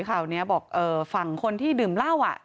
ข่าวนี้บอกฝั่งคนที่ดื่มเหล้า